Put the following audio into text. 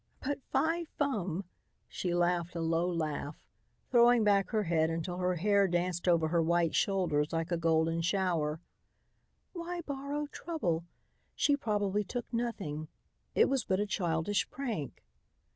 "But fi fum," she laughed a low laugh, throwing back her head until her hair danced over her white shoulders like a golden shower, "why borrow trouble? She probably took nothing. It was but a childish prank."